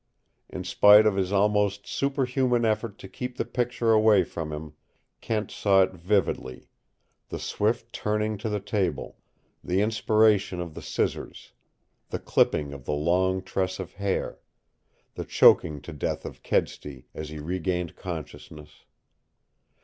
In spite of his almost superhuman effort to keep the picture away from him, Kent saw it vividly the swift turning to the table, the inspiration of the scissors, the clipping of the long tress of hair, the choking to death of Kedsty as he regained consciousness.